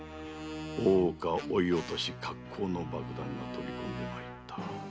大岡追い落としかっこうの爆弾が飛び込んで参った。